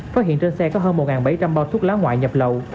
phát hiện trên xe có hơn một bảy trăm linh bao thuốc lá ngoại nhập lậu